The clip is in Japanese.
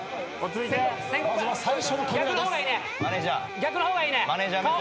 逆の方がいいね。